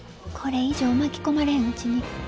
これ以上巻き込まれんうちに。